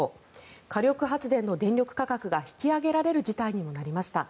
火力発電の電力価格が引き上げられる事態にもなりました。